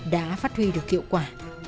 đã phát huy được kiệu quả